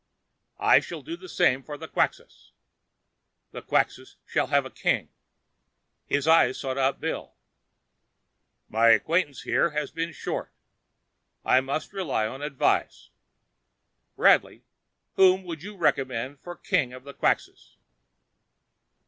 "I shall do the same for the Quxas. The Quxas shall have a king." His eyes sought out Bill. "My acquaintance here has been short. I must rely on advice. Bradley, whom would you recommend as king of the Quxas?"